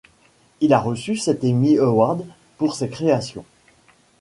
Il a reçu sept Emmy Awards pour ses créations.